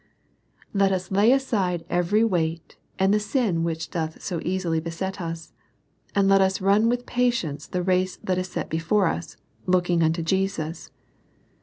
Let us lay aside every weight, and tlie sin which doth so easily beset us : and let us run with patience the race that is set before us, looking unto Jesus."